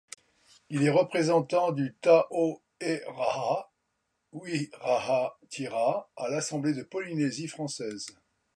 Il est représentant du Tahoeraa Huiraatira à l'Assemblée de Polynésie française.